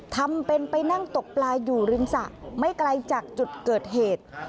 ทำเป็นไปนั่งตกปลาอยู่ริมสระไม่ไกลจากจุดเกิดเหตุ